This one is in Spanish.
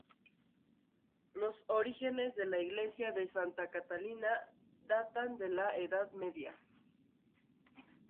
Los orígenes de la iglesia de Santa Catalina datan de la edad media.